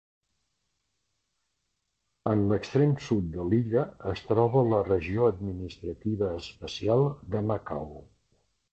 En l'extrem sud de l'illa es troba la Regió Administrativa Especial de Macau.